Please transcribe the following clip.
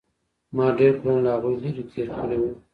ما ډېر کلونه له هغوى لرې تېر کړي وو.